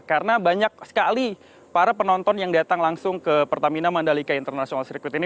karena banyak sekali para penonton yang datang langsung ke pertamina mandalika international circuit ini